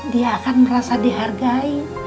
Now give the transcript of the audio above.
dia akan merasa dihargai